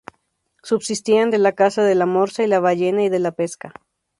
Subsistían de la caza de la morsa y la ballena y de la pesca.